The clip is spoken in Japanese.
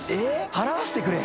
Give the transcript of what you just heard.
払わせてくれ！